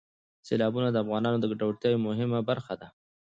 سیلابونه د افغانانو د ګټورتیا یوه مهمه برخه ده.